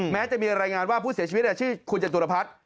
แม้จะมีรายงานว่าผู้เสียชีวิตชื่อคุณจตุรพัฒน์